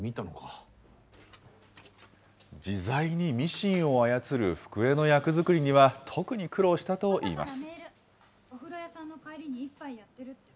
自在にミシンを操る福江の役作りには、特に苦労したといいます。